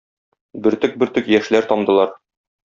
Бөртек-бөртек яшьләр тамдылар.